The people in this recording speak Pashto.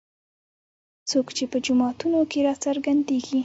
څوک چې په جوماتونو کې راڅرګندېږي.